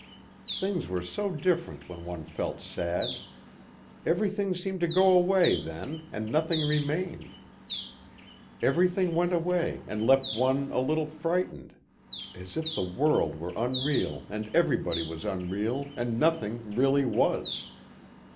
Things were so different when one felt sad. Everything seemed to go away then and nothing remained. Everything went away and left one a little frightened. As if the world were unreal and everybody was unreal and nothing really was.